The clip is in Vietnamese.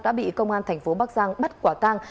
đã bị công an thành phố bắc giang bắt quả tang